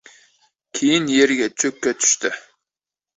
Keyin, yerga cho‘k tushdi.